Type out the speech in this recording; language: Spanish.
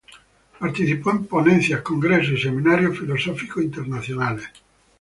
Participó en ponencias, congresos y seminarios filosóficos internacionales.